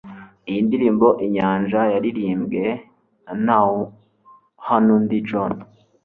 Iyi mdirimbo inyanja yaririmbwe na Ntawuhanundi John.